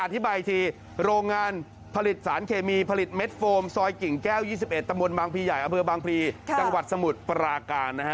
อธิบายที่โรงงานผลิตสารเคมีผลิตเม็ดโฟมซอยกิ่งแก้ว๒๑ตมบางพีใหญ่อบางพีจังหวัดสมุทรปราการ